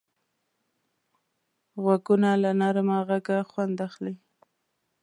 غوږونه له نرمه غږه خوند اخلي